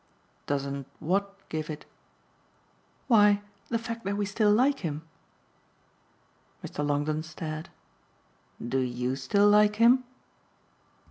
"Doesn't what give it?" "Why the fact that we still like him." Mr. Longdon stared. "Do YOU still like him?"